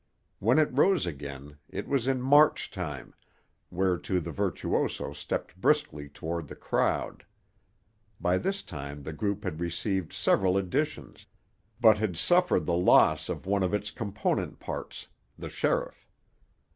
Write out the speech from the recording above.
When it rose again, it was in march time, whereto the virtuoso stepped briskly toward the crowd. By this time the group had received several additions, but had suffered the loss of one of its component parts, the sheriff.